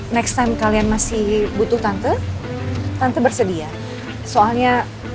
next time kalian masih butuh tante tante tante bersedia soalnya